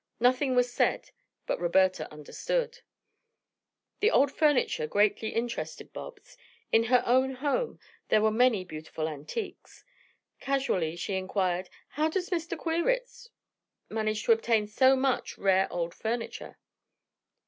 Nothing was said, but Roberta understood. The old furniture greatly interested Bobs. In her own home there were many beautiful antiques. Casually she inquired, "How does Mr. Queerwitz manage to obtain so much rare old furniture?"